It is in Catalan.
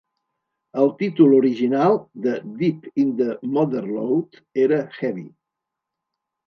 El títol original de "Deep in the Motherlode" era "Heavy".